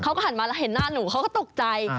เขาก็หันมาแล้วเห็นหน้าหนูเขาก็ตกใจ